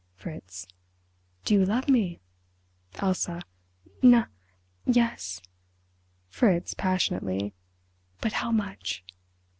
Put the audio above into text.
Fritz: "Do you love me?" Elsa: "Nu—yes." Fritz passionately: "But how much?"